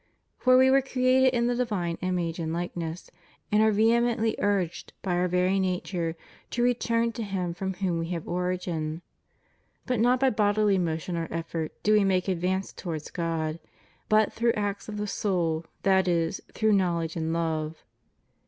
For we were created in the divine image and likeness, and are vehemently urged, by our very nature, to return to Him from whom we have origin. But not by bodily motion or effort do we make advance towards God, but through acts of the soul, that is, through knowledge and love.